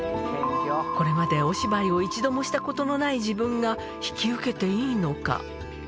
これまでお芝居を一度もしたことのない自分が引き受けていいのか。